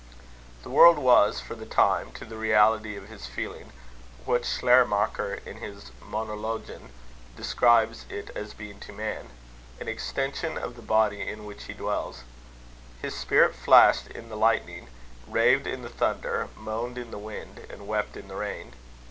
The world was for the time, to the reality of his feeling, what Schleiermacher, in his Monologen, describes it as being to man, an extension of the body in which he dwells. His spirit flashed in the lightning, raved in the thunder, moaned in the wind, and wept in the rain.